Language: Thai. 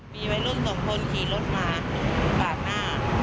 มีวัยรุ่นสองคนขี่รถมาปาดหน้า